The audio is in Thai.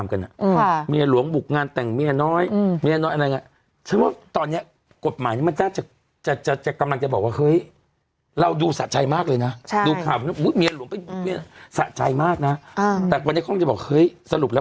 มันมีเคสนี้จริงแต่เป็นสุดท้ายแล้วคือ